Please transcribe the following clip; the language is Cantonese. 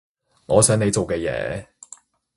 我想你做嘅嘢